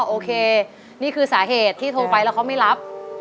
โอเคนี่คือสาเหตุที่โทรไปแล้วเขาไม่รับ